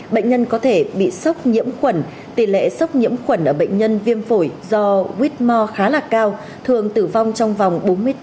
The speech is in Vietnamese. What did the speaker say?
bệnh nhân có thể bị sốc nhiễm khuẩn tỷ lệ sốc nhiễm khuẩn ở bệnh nhân viêm phổi do whitmore khá là cao thường tử vong trong vòng bốn mươi tám